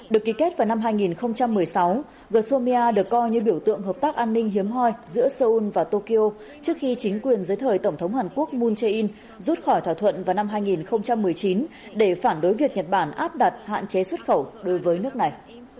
được ký kết vào năm hai nghìn một mươi sáu visomia được coi như biểu tượng hợp tác an ninh hiếm hoi giữa seoul và tokyo trước khi chính quyền dưới thời tổng thống hàn quốc moon jae in rút khỏi thỏa thuận vào năm hai nghìn một mươi chín để phản đối việc nhật bản áp đặt hạn chế xuất khẩu đối với nước này